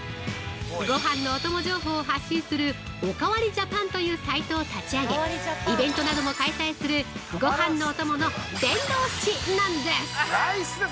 ごはんのお供情報を発信する、おかわりＪＡＰＡＮというサイトを立ち上げ、イベントなども開催するごはんのお供の伝道師なんです。